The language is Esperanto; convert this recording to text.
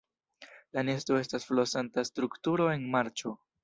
La nesto estas flosanta strukturo en marĉo.